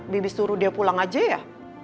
bibi suruh dia pulang aja ya